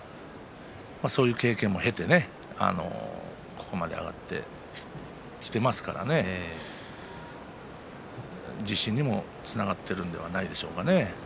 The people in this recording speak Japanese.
そういう経験を経てここまで上がってきてますから自信にも、つながっているのではないでしょうかね。